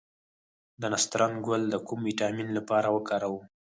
د نسترن ګل د کوم ویټامین لپاره وکاروم؟